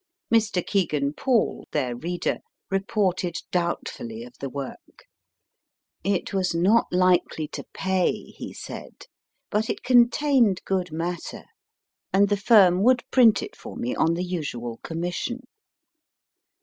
Mr. Kegan Paul, their reader, reported doubtfully of the work. It was not likely to pay, he said, but it contained good matter, and the firm 1 FICTION GRANT ALLEN 45 would print it for me on the usual commission.